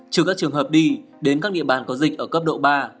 trừ các trường hợp đi đến các địa bàn có dịch ở cấp độ ba